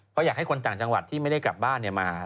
ก็อยากให้คนจังหวัดที่ไม่ได้กลับบ้านเนี่ยมา